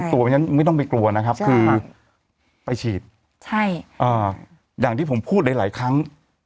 ฉะนั้นไม่ต้องไปกลัวนะครับคือไปฉีดอย่างที่ผมพูดหลายครั้ง